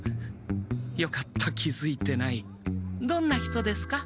よかった気づいてないどんな人ですか？